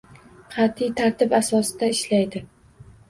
Qat’iy tartib asosida ishlaydi